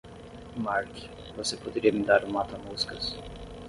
Marc, você poderia me dar o mata-moscas?